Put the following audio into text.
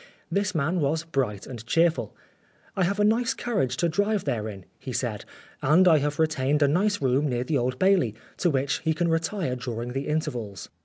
This man was bright and cheerful. " I have a nice carriage to drive there in," he said, "and I have retained a nice room near the Old Bailey, to which he can retire during the intervals."